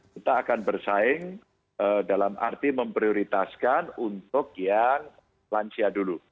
kita akan bersaing dalam arti memprioritaskan untuk yang lansia dulu